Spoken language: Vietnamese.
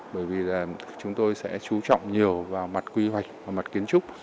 bởi vì là chúng tôi sẽ chú trọng nhiều vào mặt quy hoạch và mặt kiến trúc